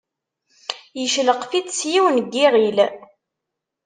Yeccelqef-itt s yiwen n yiɣil.